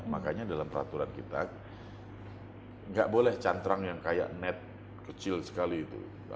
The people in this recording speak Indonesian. makanya dalam peraturan kita nggak boleh cantrang yang kayak net kecil sekali itu